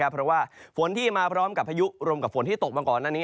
เพราะว่าฝนที่มาพร้อมกับพายุรวมกับฝนที่ตกมาก่อนหน้านี้